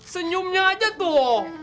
senyumnya aja tuh